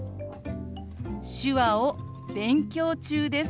「手話を勉強中です」。